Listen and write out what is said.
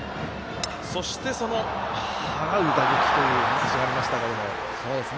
そして、払う打撃というお話がありましたが。